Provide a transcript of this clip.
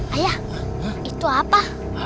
ayah itu apa